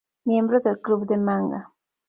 Miembro del club de manga.